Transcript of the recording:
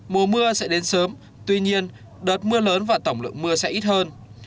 mùa mưa sẽ đến sớm tuy nhiên đợt mưa lớn và tổng lượng mưa sẽ ít hơn